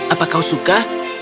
apa kau suka